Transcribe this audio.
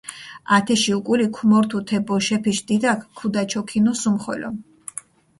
ათეში უკული ქუმორთუ თე ბოშეფიშ დიდაქ, ქუდაჩოქინუ სუმხოლო.